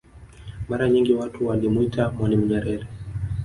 Mara nyingi watu walimwita mwalimu Nyerere